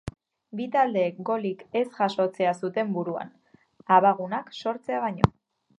Bi taldeek golik ez jasotzea zuten buruan, abagunak sortzea baino.